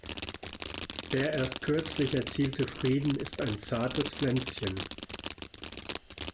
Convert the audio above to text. Der erst kürzlich erzielte Frieden ist ein zartes Pflänzchen.